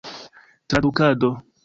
tradukado